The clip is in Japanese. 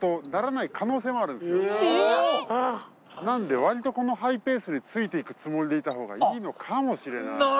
なんで割とこのハイペースについていくつもりでいたほうがいいのかもしれない。